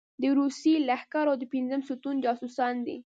د روسي لښکرو د پېنځم ستون جاسوسان دي.